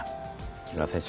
木村選手